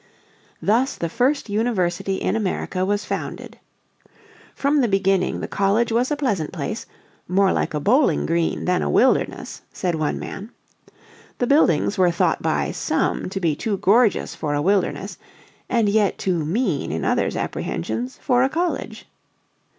Thus the first University in America was founded. From the beginning the college was a pleasant place, "more like a bowling green than a wilderness," said one man. "The buildings were thought by some to be too gorgeous for a wilderness, and yet too mean in others' apprehensions for a college.